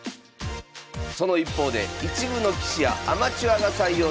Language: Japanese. その一方で一部の棋士やアマチュアが採用する戦法があります。